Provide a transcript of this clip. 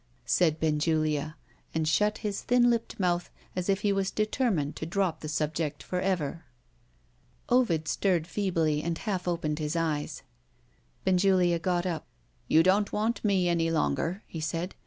said Benjulia and shut his thin lipped mouth as if he was determined to drop the subject for ever. Ovid stirred feebly, and half opened his eyes. Benjulia got up. "You don't want me any longer," he said.